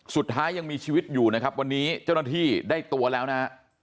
สุดท้ายยังมีชีวิตอยู่นะครับวันนี้เจ้าหน้าที่ได้ตัวแล้วนะฮะ